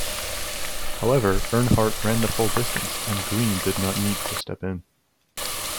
However, Earnhardt ran the full distance, and Green did not need to step in.